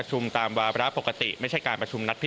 ติดตามจากคุณเจนศักดิ์